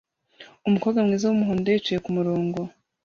Umukobwa mwiza wumuhondo yicaye kumurongo